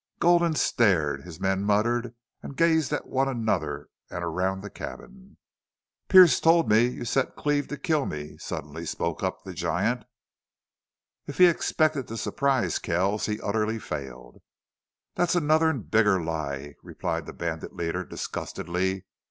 Gulden stared. His men muttered and gazed at one another and around the cabin. "Pearce told me you set Cleve to kill me," suddenly spoke up the giant. If he expected to surprise Kells he utterly failed. "That's another and bigger lie," replied the bandit leader, disgustedly.